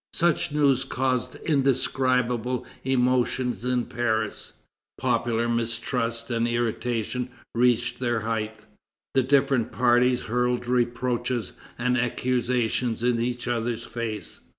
Such news caused indescribable emotion in Paris. Popular mistrust and irritation reached their height. The different parties hurled reproaches and accusations in each other's face.